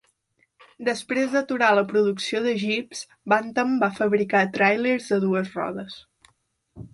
Després d'aturar la producció de jeeps, Bantam va fabricar tràilers de dues rodes.